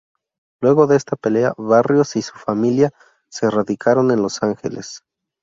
Luego de esta pelea, Barrios y su familia se radicaron en Los Angeles.